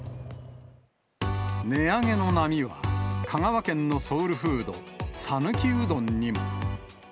値上げの波は、香川県のソウルフード、讃岐うどんにも。